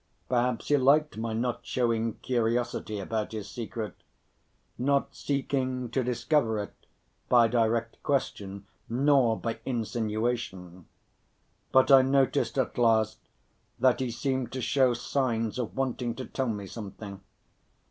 Perhaps he liked my not showing curiosity about his secret, not seeking to discover it by direct question nor by insinuation. But I noticed at last, that he seemed to show signs of wanting to tell me something.